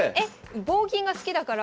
棒銀が好きだから。